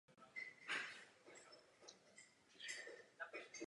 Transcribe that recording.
Jižní části pohoří zasahuje i do Slovinska.